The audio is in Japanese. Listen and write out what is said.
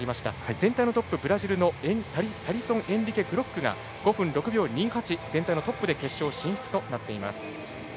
全体トップのブラジルのタリソンエンリケ・グロックが５分６秒２８、全体のトップで決勝進出となっています。